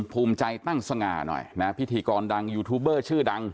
ภูมิใจตั้งสง่าหน่อยนะพิธีกรดังยูทูบเบอร์ชื่อดัง